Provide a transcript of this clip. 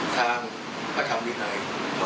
ทางพระธรรมดินัย